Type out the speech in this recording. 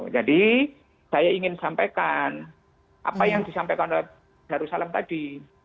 jadi saya ingin sampaikan apa yang disampaikan oleh darussalam tadi